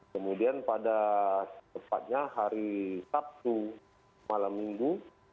kemudian pada tepatnya hari sabtu malam minggu